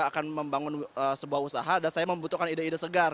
akan membangun sebuah usaha dan saya membutuhkan ide ide segar